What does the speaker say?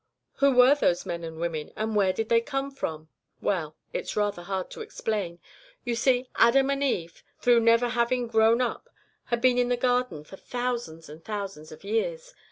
Who were those men and women, and where did they come from? Well, it's rather hard to explain. You see, Adam and Eve, through never having grown up, had been in the Garden for thousands and thousands of years.